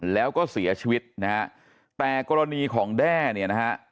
แล้วก็เสียชีวิตนะฮะแต่กรณีของแด้เนี่ยนะฮะ